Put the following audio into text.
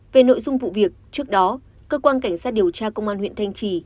về nội dung vụ việc trước đó cơ quan cảnh sát điều tra công an huyện thanh trì